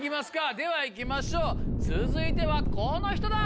では行きましょう続いてはこの人だ！